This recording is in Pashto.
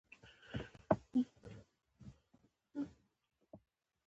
تر لکونو یې اوښتي وه پوځونه